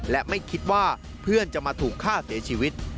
และไม่คิดว่าเพื่อนจะมาถูกฆ่าเสียชีวิต